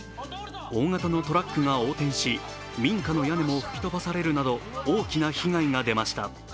大型のトラックが横転し、民家の屋根も吹き飛ばされるなど大きな被害が出ました。